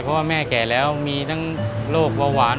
เพราะว่าแม่แก่แล้วมีทั้งโรคเบาหวาน